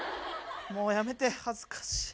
もうやめて恥ずかしい。